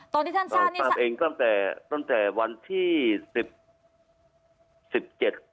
ตอนที่ท่านทราบนี่ตามเองตั้งแต่ตั้งแต่วันที่สิบสิบเจ็ด